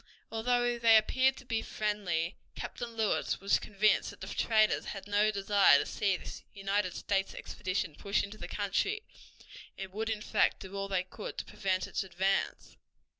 Although they appeared to be friendly, Captain Lewis was convinced that the traders had no desire to see this United States expedition push into the country, and would in fact do all they could to prevent its advance.